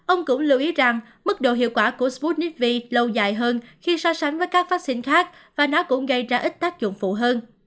ông cũng lưu ý rằng mức độ hiệu quả của sputnik v lâu dài hơn khi so sánh với các vaccine khác và nó cũng gây ra ít tác dụng phụ hơn